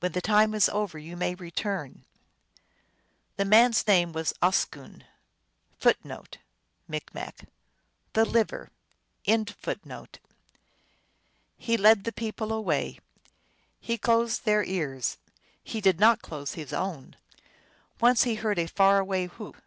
When the time is over you may return." The man s name was Oscoon. 2 He led the people away. He closed their ears ; he did not close his own. Once he heard a far away whoop.